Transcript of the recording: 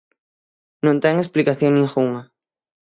Non ten explicación ningunha.